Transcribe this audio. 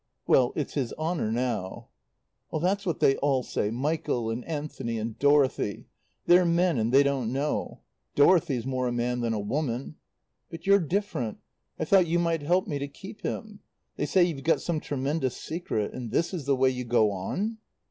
"Well it's his honour now." "That's what they all say, Michael and Anthony, and Dorothy. They're men and they don't know. Dorothy's more a man than a woman. "But you're different. I thought you might help me to keep him they say you've got some tremendous secret. And this is the way you go on!"